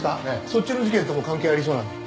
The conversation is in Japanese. そっちの事件とも関係ありそうなんで。